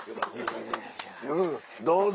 どうぞ。